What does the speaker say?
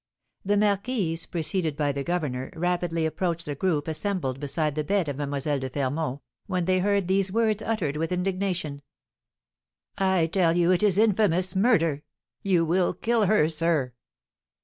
The marquise, preceded by the governor, rapidly approached the group assembled beside the bed of Mlle. de Fermont, when they heard these words uttered with indignation: "I tell you it is infamous murder; you will kill her, sir!"